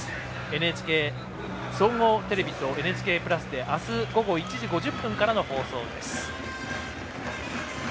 ＮＨＫ総合テレビとＮＨＫプラスで明日午後１時５０分からの放送です。